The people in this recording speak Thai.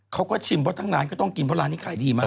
เขาก็ชิมเพราะทั้งร้านก็ต้องกินเพราะร้านนี้ขายดีมาก